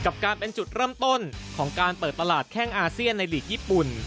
กับการเป็นจุดเริ่มต้นของการเปิดตลาดแข้งอาเซียนในหลีกญี่ปุ่น